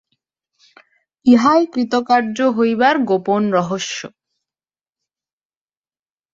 ইহাই কৃতকার্য হইবার গোপন রহস্য।